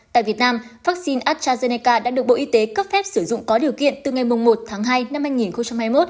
tại việt nam vaccine astrazeneca đã được bộ y tế cấp phép sử dụng có điều kiện từ ngày một tháng hai năm hai nghìn hai mươi một